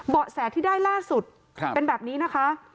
แสที่ได้ล่าสุดเป็นแบบนี้นะคะ